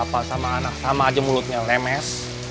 apa sama anak sama aja mulutnya lemes